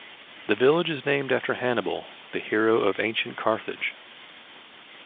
The village is named after Hannibal, the hero of ancient Carthage.